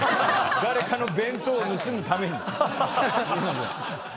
誰かの弁当を盗むために。